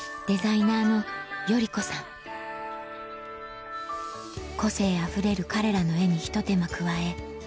デザイナーの個性あふれる彼らの絵にひと手間加え